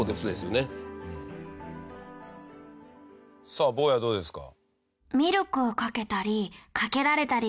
さあ坊やどうですか？